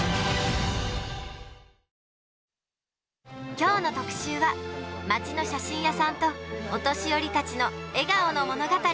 きょうの特集は、町の写真屋さんと、お年寄りたちの笑顔の物語。